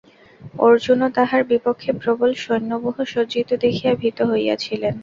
অর্জুনও তাঁহার বিপক্ষে প্রবল সৈন্যব্যূহ সজ্জিত দেখিয়া ভীত হইয়াছিলেন।